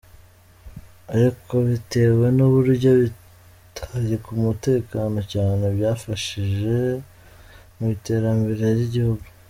Ariko bitewe n’uburyo bitaye ku mutekano cyane, byafashije mu iterambere ry’igihugu.